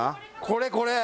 これこれ。